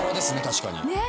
確かに。